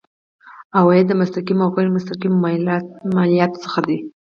عواید د مستقیمو او غیر مستقیمو مالیاتو څخه دي.